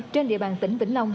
trên địa bàn tỉnh vĩnh long